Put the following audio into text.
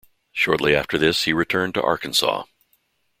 Shortly after this he returned to Arkansas.